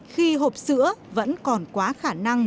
khi hộp sữa vẫn còn quá khả năng với những đứa trẻ nghèo